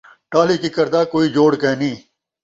ٹالھی ککر دا کوئی جوڑ کینھی